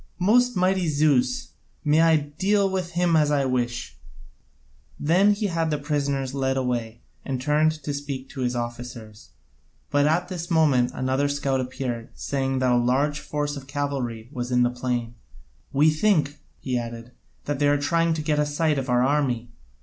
Most mighty Zeus, may I deal with him as I wish!" Then he had the prisoners led away and turned to speak to his officers, but at this moment another scout appeared, saying that a large force of cavalry was in the plain. "We think," he added, "that they are trying to get a sight of our army.